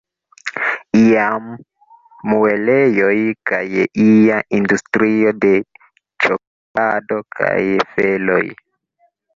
Iam muelejoj kaj ia industrio de ĉokolado kaj feloj.